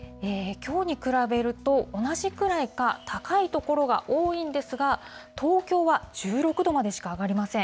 きょうに比べると、同じくらいか高い所が多いんですが、東京は１６度までしか上がりません。